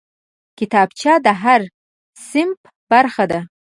کتابچه د هر صنف برخه ده